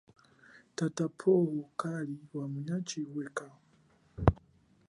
Tatapowo kali wa munyatshi weka.